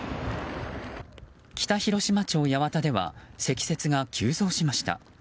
北広島町八幡では積雪が急増しました。